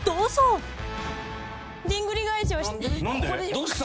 どうした？